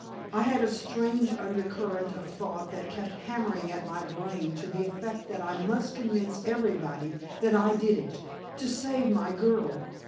I had a strange undercurrent of thought that kept hammering at my brain to the effect that I must convince everybody that I did it, to save my girl.